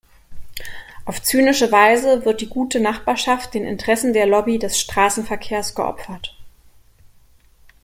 Auf zynische Weise wird die gute Nachbarschaft den Interessen der Lobby des Straßenverkehrs geopfert.